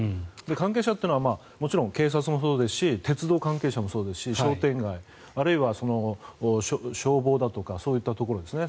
関係者というのはもちろん警察もそうですし鉄道関係者もそうですし商店街あるいは消防だとかそういったところですね